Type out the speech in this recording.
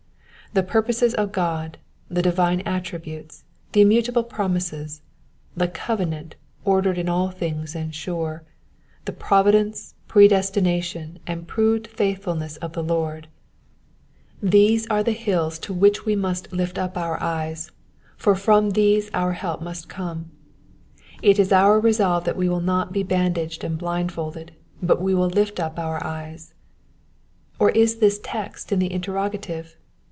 The purposes of God ; the divine attributes ; the immutable promises ; the covenant, ordered in all things and sure ; the providence, predestination, and proved faithfulness of the Lord — ^these aie Digitized by VjOO^IC PSALM ONE HUNDRED AND TWENTY ONE. 415 the hills to which we must lift up our eyes, for from these our help must come. It is our resolve that we will not be bandaged and blindfolded, but will lift up our eyes. Or is the text in the interrogative